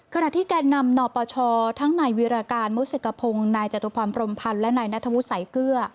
ขณะที่แกนำหนอประชาชน์ทั้งในวิราการมุษยกระพงนายจตุพรรมพรรณและนายนาธบุสัยเกลือ